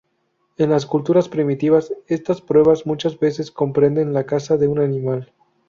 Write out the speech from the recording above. En las culturas primitivas estas pruebas muchas veces comprenden la caza de un animal.